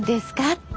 って。